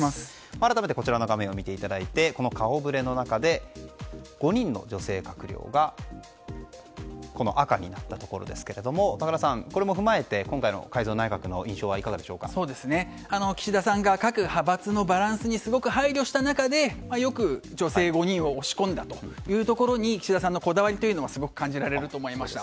改めて、こちらをご覧いただいてこの顔ぶれの中で５人の女性閣僚がこの赤になったところですが高田さん、これを踏まえて今回の改造内閣の印象は岸田さんが各派閥のバランスにすごく配慮した中でよく女性５人を押し込んだというところに岸田さんのこだわりがすごく感じられると思いました。